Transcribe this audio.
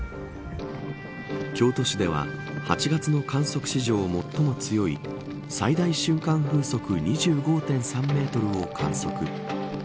京都市では８月の観測史上最も強い最大瞬間風速２５．３メートルを観測。